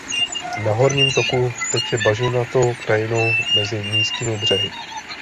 Na horním toku teče bažinatou krajinou mezi nízkými břehy.